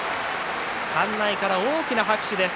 館内から大きな拍手です。